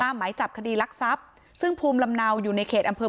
ตามไหมจับคดีลักษัพซึ่งภูมิลำเนาอยู่ในเขตอำเผือ